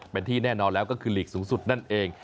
เป็นที่แน่นอนแล้วก็คือหลีกสูงสุดนั่นเอง